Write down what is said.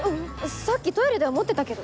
さっきトイレでは持ってたけど。